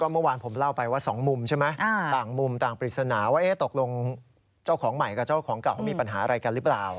เมื่อวานผมเล่าไปว่าสองมุมใช่ไหมต่างมุมต่างปริศนาว่าตกลงเจ้าของใหม่กับเจ้าของเก่าเขามีปัญหาอะไรกันหรือเปล่า